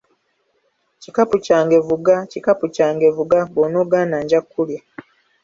“Kikapu kyange vuga, Kikapu kyange vuga, Bw’onoogaana nja kulya.”